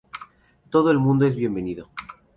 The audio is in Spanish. Todo el mundo es bienvenido.